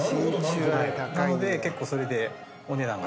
なので結構それでお値段が高くなって。